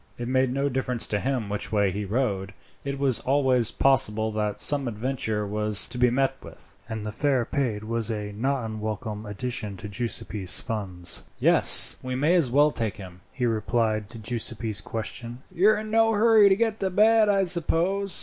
It made no difference to him which way he rowed. It was always possible that some adventure was to be met with, and the fare paid was a not unwelcome addition to Giuseppi's funds. "Yes, we may as well take him," he replied to Giuseppi's question. "You are in no hurry to get to bed, I suppose?"